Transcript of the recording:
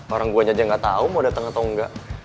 orang gue aja gak tau mau dateng atau enggak